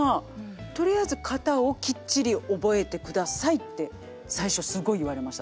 「とりあえず型をきっちり覚えてください」って最初すごい言われました。